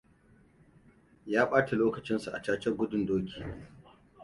Ya ɓata lokacinsa a cacar gudun doki.